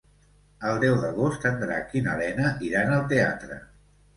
El deu d'agost en Drac i na Lena iran al teatre.